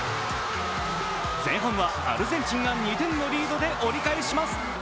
前半はアルゼンチンが２点のリードで折り返します。